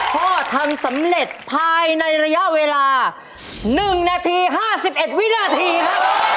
พ่อทำสำเร็จภายในระยะเวลา๑นาที๕๑วินาทีครับ